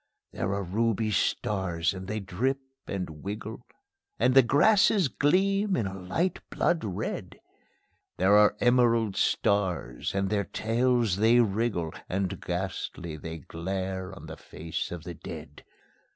There are ruby stars and they drip and wiggle; And the grasses gleam in a light blood red; There are emerald stars, and their tails they wriggle, And ghastly they glare on the face of the dead.